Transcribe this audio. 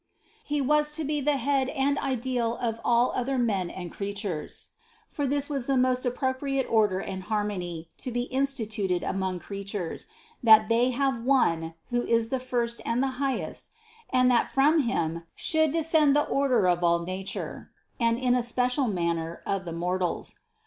He was to be the Head and Ideal of all other men and creatures; for this was the most appro priate order and harmony to be instituted among crea tures, that they have One, who is the first and the high est, and that from Him should descend the order of all 66 CITY OF GOD nature, and in a special manner, of the mortals.